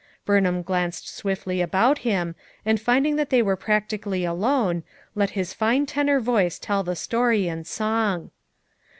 Burnham glanced swiftly about him and finding that they were practically alone, let his fine tenor voice tell the story in song.